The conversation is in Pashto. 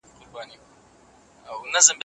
څومره چي تعلیم زیات سي هومره پوهه زیاتیږي.